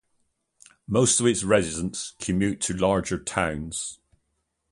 Most of its residents commute to larger towns.